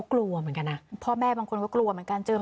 ส่วนตัวแม่ก็ไม่อยากได้ฝึกแต่น้องเขาเอง